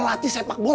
pelatih sepak bola